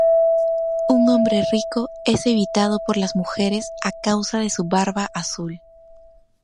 Un hombre rico es evitado por las mujeres a causa de su barba azul.